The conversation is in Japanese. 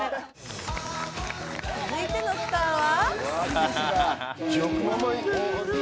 続いてのスターは。